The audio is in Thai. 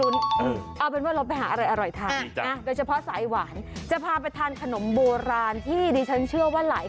มันก็ไม่เตาเท่าทีเดียว